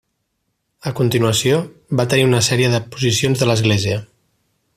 A continuació, va tenir una sèrie de posicions de l'església.